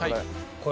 これ。